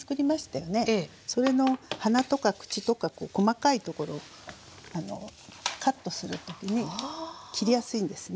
それの鼻とか口とか細かいところカットする時に切りやすいんですね。